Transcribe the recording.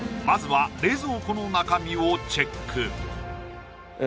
まずは冷蔵庫の中身をチェック